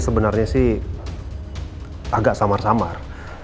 sebenarnya sih agak samar samar